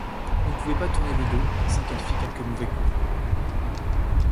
On ne pouvait pas tourner le dos sans qu'elle fit quelque mauvais coup.